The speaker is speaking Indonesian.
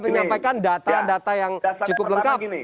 menyampaikan data data yang cukup lengkap